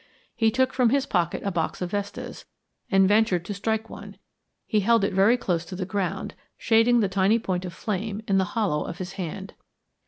He took from his pocket a box of vestas, and ventured to strike one. He held it down close to the ground, shading the tiny point of flame in the hollow of his hand.